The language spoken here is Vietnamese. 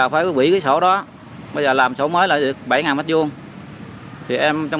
trong lúc đó đã g without tiền